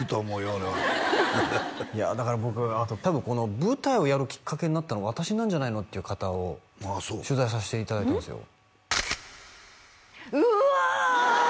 俺はいやだから僕あと多分舞台をやるきっかけになったの私なんじゃないのっていう方を取材させていただいたんですようわ！